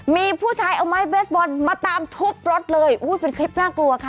มีผู้ชายเอาไม้เบสบอลมาตามทุบรถเลยอุ้ยเป็นคลิปน่ากลัวค่ะ